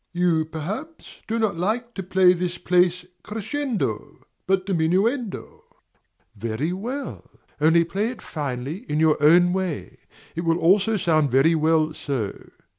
You, perhaps, do not like to play this place crescendo, but diminuendo. Very well; only play it finely in your own way; it will also sound very well so.